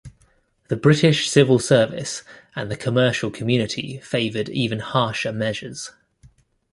The British civil service and the commercial community favoured even harsher measures.